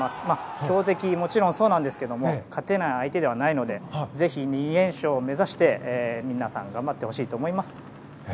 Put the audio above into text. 強敵、もちろんそうなんですが勝てない相手ではないのでぜひ２連勝目指して皆さん頑張ってほしいです。